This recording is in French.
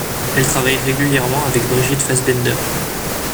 Elle travaille régulièrement avec Brigitte Fassbaender.